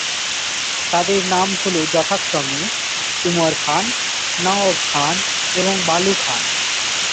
তাদের নাম হল যথাক্রমে: উমর খান, নওয়াব খান এবং বালু খান।